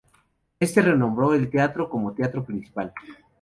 Este renombró el teatro como Teatro Principal.